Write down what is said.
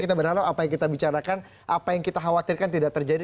kita berharap apa yang kita bicarakan apa yang kita khawatirkan tidak terjadi